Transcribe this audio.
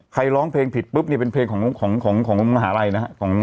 ร้องเพลงผิดปุ๊บนี่เป็นเพลงของมหาลัยนะฮะ